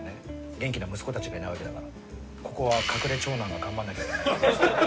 元気な息子たちがいないわけだからここは隠れ長男が頑張んなきゃいけない。